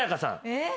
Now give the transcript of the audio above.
えっ！？